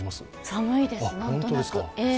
寒いです、何となく。